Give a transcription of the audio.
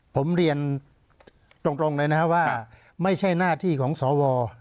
ผมเรียนตรงเลยนะว่าไม่ใช่หน้าที่ของสว